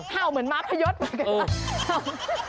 เห่าเหมือนม้าพยศเหมือนกัน